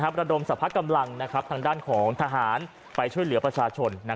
ระดมสรรพกำลังทางด้านของทหารไปช่วยเหลือประชาชน